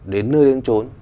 đến nơi đang trốn